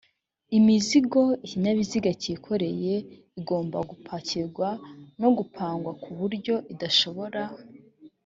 imizigo ikinyabiziga cyikoreye igomba gupakirwa no gupangwa ku buryo idashobora